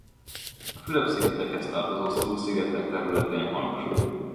A Fülöp-szigetekhez tartozó Sulu-szigetek területén honos.